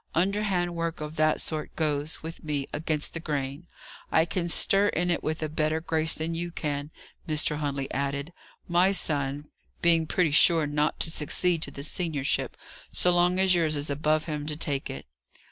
Underhand work of that sort goes, with me, against the grain. I can stir in it with a better grace than you can," Mr. Huntley added: "my son being pretty sure not to succeed to the seniorship, so long as yours is above him to take it.